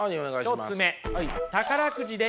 １つ目。